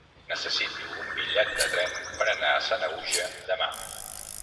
Necessito un bitllet de tren per anar a Sanaüja demà.